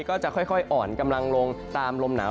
ก็จะค่อยอ่อนกำลังลงตามลมหนาว